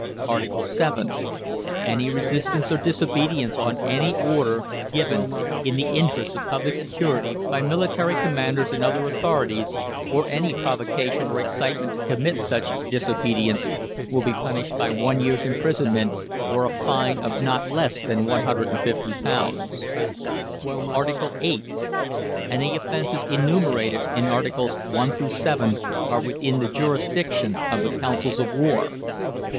ARTICLE VII. Any resistance or disobedience of any order given in the interests of public security by military commanders and other authorities, or any provocation or incitement to commit such disobedience, will be punished by one year's imprisonment, or a fine of not less than £150. ARTICLE VIII. All offences enumerated in Articles I. VII. are within the jurisdiction of the Councils of War.